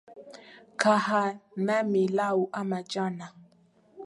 Kaa nami lau ama jana